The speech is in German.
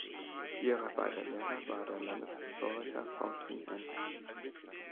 Ihrer beider Lehrer war der Landeshistoriker Faustin Ens.